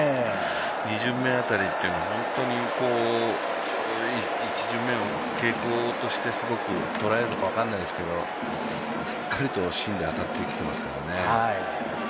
２巡目辺りというのは１巡目の傾向として捉えるか分からないですけどしっかりと芯に当たってきていますからね。